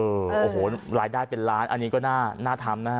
โอ้โหรายได้เป็นล้านอันนี้ก็น่าทำนะฮะ